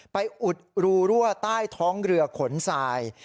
อุดรูรั่วใต้ท้องเรือขนทราย